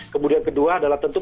kemudian kedua adalah tentu